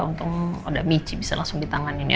untung udah michi bisa langsung ditangani ya